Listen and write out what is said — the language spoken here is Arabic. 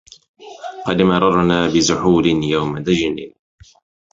قد مررنا بزحول يوم دجن